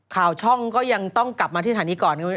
ข่าวช่องก็ยังต้องกลับมาที่สถานีก่อน